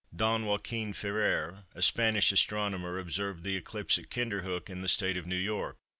Don Joachin Ferrer, a Spanish astronomer, observed the eclipse at Kinderhook in the State of New York.